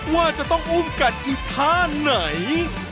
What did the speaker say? ว่าจะต้องอุ้มกันอีกท่าไหน